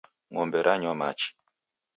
Ng'ombe rawanywa machi